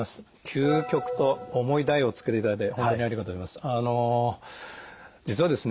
「究極」と重い題を付けていただいて本当にありがとうございます。